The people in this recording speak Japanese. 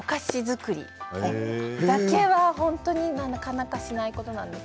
これだけはなかなかしないことなんです。